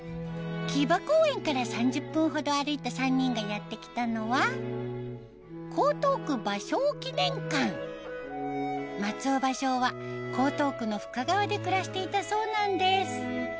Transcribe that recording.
木場公園から３０分ほど歩いた３人がやって来たのは松尾芭蕉は江東区の深川で暮らしていたそうなんです